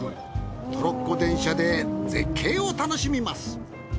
トロッコ電車で絶景を楽しみます。